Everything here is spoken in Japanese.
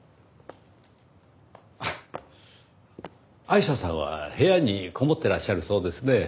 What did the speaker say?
アイシャさんは部屋にこもってらっしゃるそうですね。